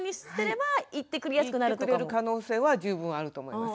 行ってくれる可能性は十分あると思います。